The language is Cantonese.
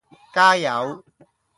加油